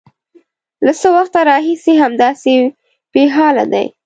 _له څه وخته راهيسې همداسې بېحاله دی؟